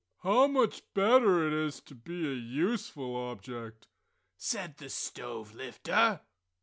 "How much better it is to be a useful object!" said the stove lifter.